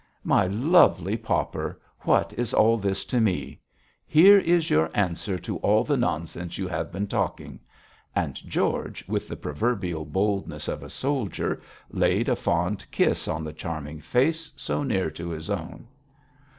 'My lovely pauper, what is all this to me? Here is your answer to all the nonsense you have been talking,' and George, with the proverbial boldness of a soldier, laid a fond kiss on the charming face so near to his own.